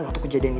waktu kejadian ini